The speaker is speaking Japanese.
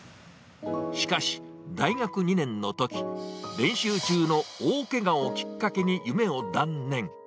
しかし、大学２年のとき、練習中の大けがをきっかけに、夢を断念。